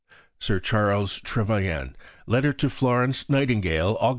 SIR CHARLES TREVELYAN (Letter to Florence Nightingale, Aug.